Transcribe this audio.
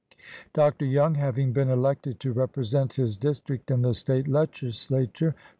Doctor Young having been elected to represent his district in the State Legislature.